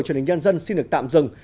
truyền hình nhân dân xin được tạm dừng